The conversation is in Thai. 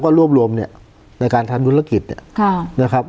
ก็รวบรวมเนี่ยในการทำธุรกิจเนี่ยนะครับ